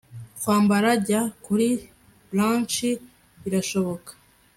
kwambara jya kuri brunch birashoboka